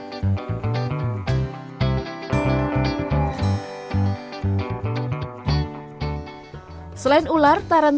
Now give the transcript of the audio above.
selain ular tarantula juga termasuk hewan yang kerap ditakuti banyak orang